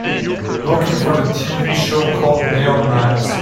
Looking for the TV show called Neon Nights